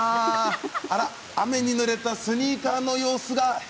あら、雨にぬれたスニーカーの様子が変！